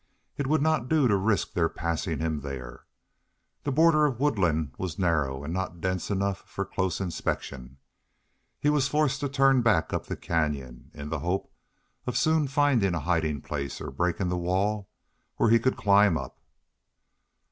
It would not do to risk their passing him there. The border of woodland was narrow and not dense enough for close inspection. He was forced to turn back up the canyon, in the hope of soon finding a hiding place or a break in the wall where he could climb up.